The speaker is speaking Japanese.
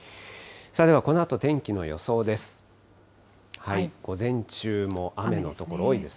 ではこのあと天気の予想です。